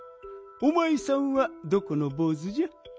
おまいさんはどこのぼうずじゃ？